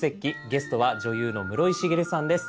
ゲストは女優の室井滋さんです。